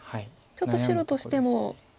ちょっと白としても。